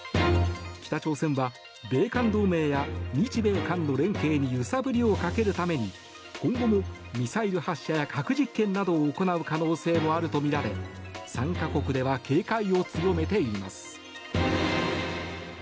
北朝鮮は米韓同盟や日米韓の連携に揺さぶりをかけるために今後もミサイル発射や核実験などを行う可能性もあるとみられ３か国では警戒を強めています。